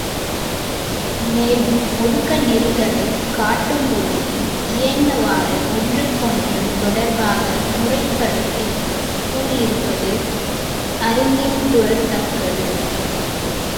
மேலும், ஒழுக்க நெறிகளைக் காட்டும்பொழுதும் இயைந்தவாறு, ஒன்றுக்கொன்று தொடர்பாக முறைப் படுத்திக் கூறியிருப்பது அறிந்தின்புறத்தக்கது.